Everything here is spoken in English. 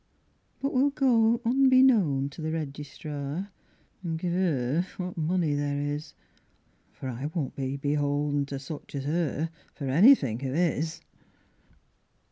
But we'll go unbeknown to the registrar, An' give 'er what money there is, For I won't be beholden to such as her For anythink of his.